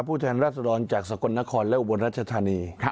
โทษแทนรัฐรรณจากสะกลนครและอุบัญรัชธรรมนี้